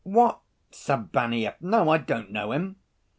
"What Sabaneyev? No, I don't know him."